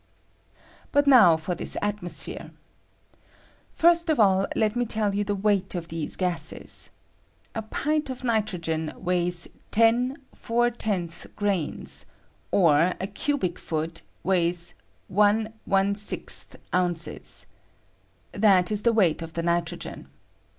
But now for this atmosphere. Tirat of all, let me teU you the weight of these gases. A pint of nitrogen weighs 10 ^ grains, or a cubic foot weighs 1^ ounces. That is the weight of the nitrogen.